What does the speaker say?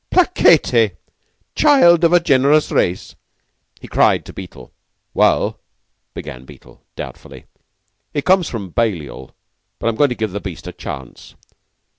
"Placetne, child of a generous race!" he cried to Beetle. "Well," began Beetle, doubtfully, "he comes from Balliol, but I'm going to give the beast a chance.